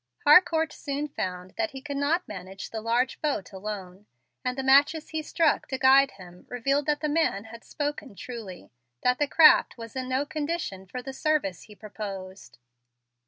Harcourt soon found that he could not manage the large boat alone, and the matches he struck to guide him revealed that the man had spoken truly, and that the craft was in no condition for the service he proposed.